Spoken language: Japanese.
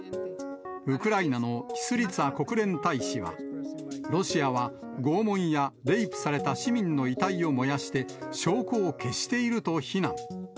ウクライナのキスリツァ国連大使は、ロシアは拷問やレイプされた市民の遺体を燃やして、証拠を消していると非難。